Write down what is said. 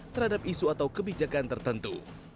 terhadap isu atau kebijakan tertentu